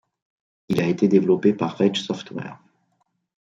Il a été développé par Rage Software.